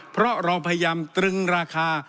เพราะเราพยายามตรึงราคา